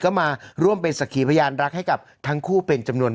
ก็มาร่วมเป็นสักขีพยานรักให้กับทั้งคู่เป็นจำนวน